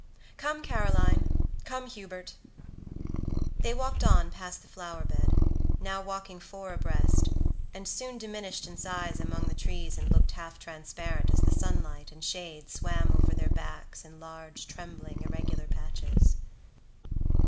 Come, Caroline, come, Hubert."They walked on the past the flower—bed, now walking four abreast, and soon diminished in size among the trees and looked half transparent as the sunlight and shade swam over their backs in large trembling irregular patches.